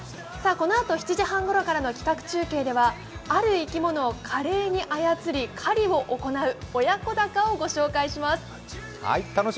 このあと７時半ごろからの企画中継ではある生き物を華麗に操り狩りを行う親子だかをご紹介します。